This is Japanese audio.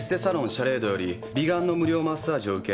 『シャレード』より美顔の無料マッサージを受け